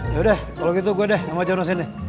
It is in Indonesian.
yaudah kalo gitu gue deh sama jono sini